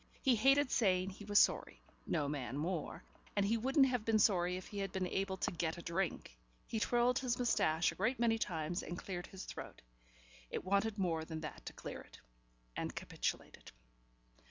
He hated saying he was sorry (no man more) and he wouldn't have been sorry if he had been able to get a drink. He twirled his moustache a great many times and cleared his throat it wanted more than that to clear it and capitulated.